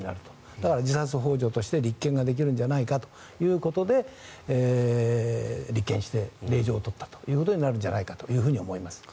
だから、自殺ほう助として立件できるんじゃないかということで立件して令状を取ったのではと思います。